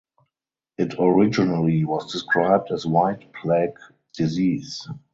It originally was described as white plague disease.